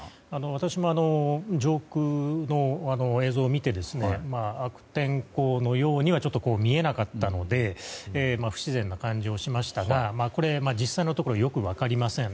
私も上空の映像を見て悪天候のようには見えなかったので不自然な感じもしましたが実際のところよく分かりません。